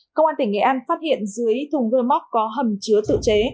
công an tỉnh nghệ an phát hiện dưới thùng rơ móc có hầm chứa tự chế